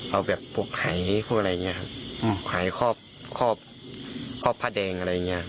เอาแบบพวกหายพวกอะไรอย่างนี้ครับหายข้อพระแดงอะไรอย่างนี้